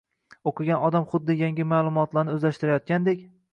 o‘qigan odam xuddi yangi ma’lumotlarni o‘zlashtirayotgandek